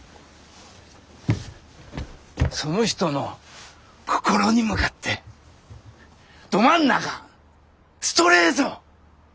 その人の心に向かってど真ん中ストレート！